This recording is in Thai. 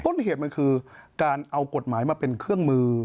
ต้นเหตุมันคือการเอากฎหมายมาเป็นเครื่องมือ